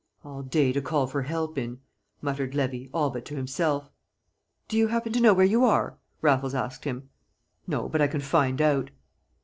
"All day to call for help in!" muttered Levy, all but to himself. "Do you happen to know where you are?" Raffles asked him. "No, but I can find out."